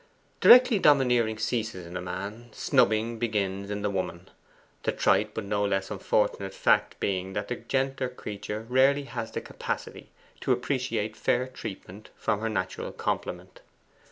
Directly domineering ceases in the man, snubbing begins in the woman; the trite but no less unfortunate fact being that the gentler creature rarely has the capacity to appreciate fair treatment from her natural complement.